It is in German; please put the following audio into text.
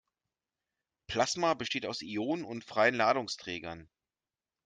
Plasma besteht aus Ionen und freien Ladungsträgern.